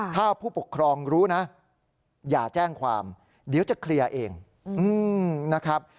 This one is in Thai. ถ้าผู้ปกครองรู้นะอย่าแจ้งความเดี๋ยวจะเคลียร์เองนะครับ